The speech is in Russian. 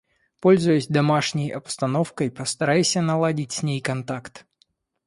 Пользуясь домашней обстановкой, постарайся наладить с ней контакт.